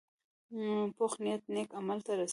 پوخ نیت نیک عمل ته رسوي